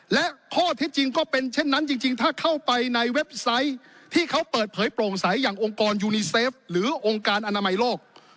และข้อเท็จจริงก็เป็นเช่นนั้นจริงถ้าเข้าไปในเว็บไซต์ที่เขาเปิดเผยโปร่งใสอย่างองค์กรยูนีเซฟหรือองค์การอนามัยโลก